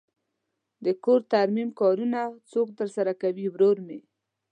د کور ترمیم کارونه څوک ترسره کوی؟ ورور می